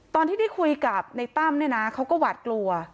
ตอนที่ได้คุยกับในตั้มเนี่ยนะเขาก็หวาดกลัว